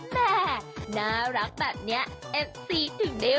แม่น่ารักแบบนี้เอฟซีถึงได้